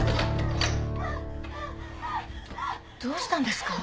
どうしたんですか？